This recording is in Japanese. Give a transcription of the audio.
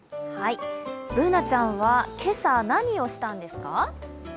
Ｂｏｏｎａちゃんは今朝何をしたんですか？